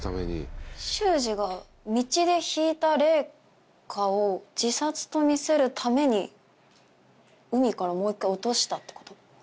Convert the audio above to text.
秀司が道でひいた玲香を自殺と見せるために海からもう一回落としたってこと？